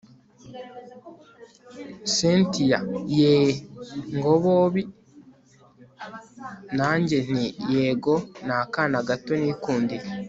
cyntia yeeeeh! ngo bobi! nanjye nti yego nakana gato nikundiye